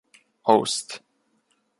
Aust.